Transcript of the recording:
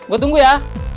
gue tunggu ya